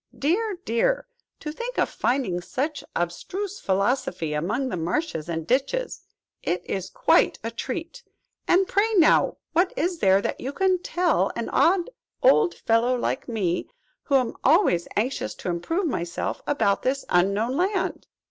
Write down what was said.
Dear, dear! to think of finding such abstruse philosophy among the marshes and ditches! It is quite a treat! And pray, now, what is there that you can tell an odd old fellow like me, who am always anxious to improve myself, about this Unknown Land?"